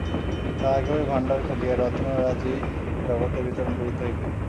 তাঁহাকে ঐ ভাণ্ডার খুলিয়া রত্নরাজি জগতে বিতরণ করিতে হইবে।